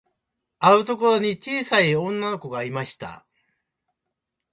あるところに、ちいさい女の子がいました。